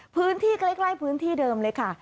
พื้นที่ใกล้พื้นที่เดิมเลยค่ะ